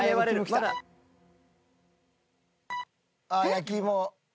焼き芋。